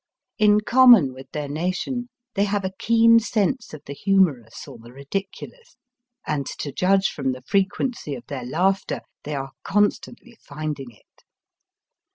In common with their nation, they have a keen sense of the humorous or the ridiculous, and, to judge from the frequency of their laughter, they are constantly finding it.